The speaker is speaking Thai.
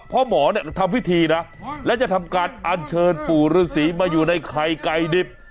เพราะหมอเนี่ยทำพิธีนะและจะทำการอันเชิญปู่ฤษีมาอยู่ในไข่ไก่ดิบ